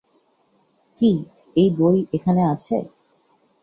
কী, এই বই এখানে আছে?